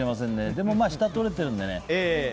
でも、下を取れてるのでね。